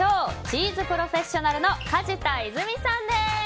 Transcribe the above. チーズプロフェッショナルの梶田泉さんです。